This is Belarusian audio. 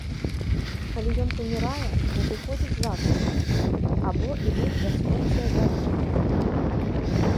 Калі ён памірае, надыходзіць засуха або ідуць бясконцыя дажджы.